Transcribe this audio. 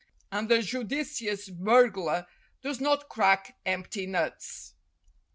And the judicious burglar does not crack empty nuts.